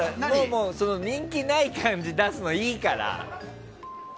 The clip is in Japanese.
もう、その人気ない感じ出すのいいから。